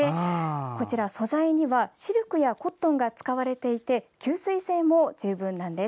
こちらの素材にはシルクやコットンが使われていて吸水性も十分なんです。